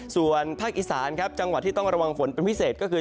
ส่วนภาคอีสานครับจังหวัดที่ต้องระวังฝนเป็นพิเศษก็คือ